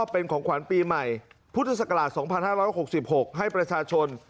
เป็นของขวัญปีใหม่พุทธศักราช๒๕๖๖ให้ประชาชน